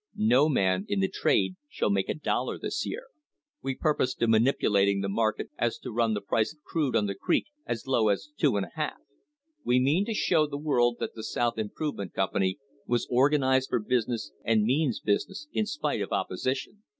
No man in the trade shall make a dollar this year. We purpose to manipulating the market as to run the price of crude on the creek as low as two and a half. We mean THE OIL WAR OF 1872 to show the world that the South Improvement Company was organised for business and means business in spite of opposition.